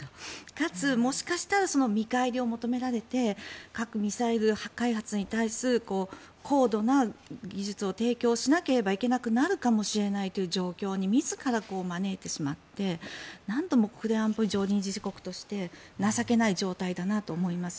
かつ、もしかしたらその見返りを求められて核・ミサイル開発に対する高度な技術を提供しなければいけなくなるかもしれないという状況に自ら招いてしまってなんとも国連安保理常連理事国として情けない状態だなと思います。